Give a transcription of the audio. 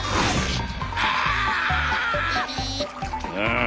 ああ！